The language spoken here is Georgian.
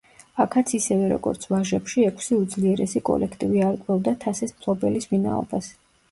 აქაც ისევე როგორც ვაჟებში ექვსი უძლიერესი კოლექტივი არკვევდა თასის მფლობელის ვინაობას.